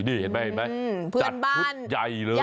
นี่เห็นมั้ยจัดพุทธใหญ่เลย